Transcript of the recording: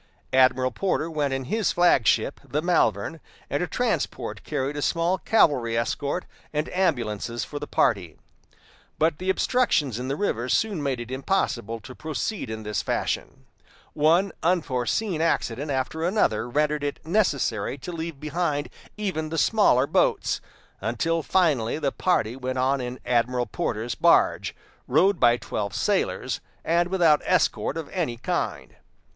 Admiral Porter went in his flag ship, the Malvern, and a transport carried a small cavalry escort and ambulances for the party. But the obstructions in the river soon made it impossible to proceed in this fashion. One unforeseen accident after another rendered it necessary to leave behind even the smaller boats, until finally the party went on in Admiral Porter's barge, rowed by twelve sailors, and without escort of any kind.